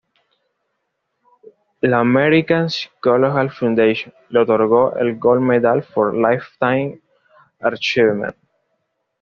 La American Psychological Foundation le otorgó el Gold Medal for Lifetime Achievement.